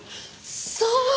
そう！